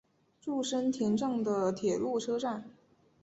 入生田站的铁路车站。